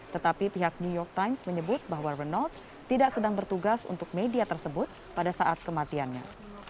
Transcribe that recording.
tetapi pihak new york times menyebut bahwa ronald tidak sedang bertugas untuk media tersebut pada saat kematiannya